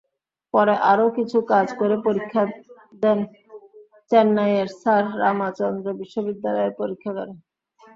পরে আরও কিছু কাজ করে পরীক্ষা দেন চেন্নাইয়ের স্যার রামাচন্দ্র বিশ্ববিদ্যালয়ের পরীক্ষাগারে।